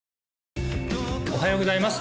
おはようございます